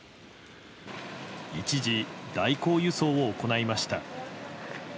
一時、代行輸送を行いました。